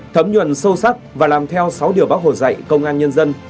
thấm nhuận sâu sắc và làm theo sáu điều bác hồ dạy công an nhân dân